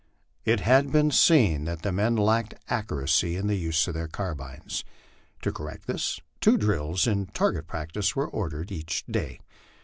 It has been seen that the men lacked accuracy in the use of their carbines. To correct this, two drills in target practice were ordered each day.